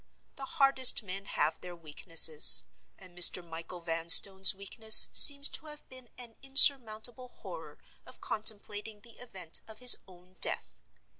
The hardest men have their weaknesses; and Mr. Michael Vanstone's weakness seems to have been an insurmountable horror of contemplating the event of his own death.